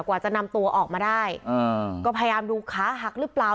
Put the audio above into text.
กว่าจะนำตัวออกมาได้อ่าก็พยายามดูขาหักหรือเปล่า